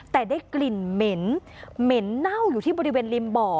แต่ได้กลิ่นเหม็นเหม็นเน่าอยู่ที่บริเวณริมบ่อ